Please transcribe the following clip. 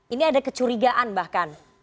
ini ada kecurigaan bahkan